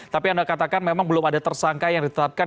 tapi anda katakan memang belum ada tersangka yang ditetapkan